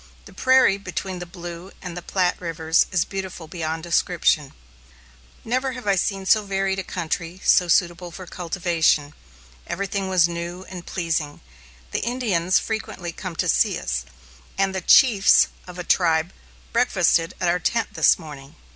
The prairie between the Blue and the Platte rivers is beautiful beyond description. Never have I seen so varied a country, so suitable for cultivation. Everything was new and pleasing; the Indians frequently come to see us, and the chiefs of a tribe breakfasted at our tent this morning.